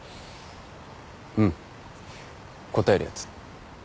うん答えるやつ。